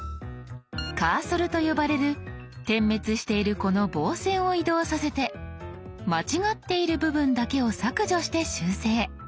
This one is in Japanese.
カーソルと呼ばれる点滅しているこの棒線を移動させて間違っている部分だけを削除して修正。